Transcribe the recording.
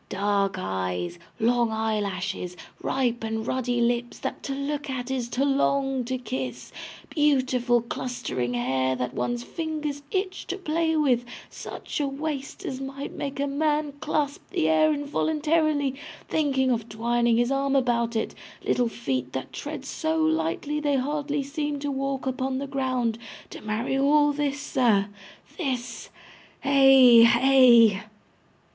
Dark eyes, long eyelashes, ripe and ruddy lips that to look at is to long to kiss, beautiful clustering hair that one's fingers itch to play with, such a waist as might make a man clasp the air involuntarily, thinking of twining his arm about it, little feet that tread so lightly they hardly seem to walk upon the ground to marry all this, sir, this hey, hey!